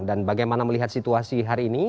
dan bagaimana melihat situasi hari ini